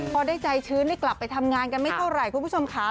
พอได้ใจชื้นได้กลับไปทำงานกันไม่เท่าไหร่คุณผู้ชมค่ะ